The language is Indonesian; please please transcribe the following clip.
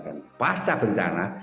dan pasca bencana